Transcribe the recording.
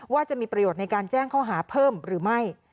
จะมีประโยชน์ในการแจ้งข้อหาเพิ่มหรือไม่